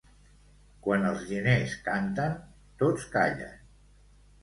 Quan els diners canten, tots callen.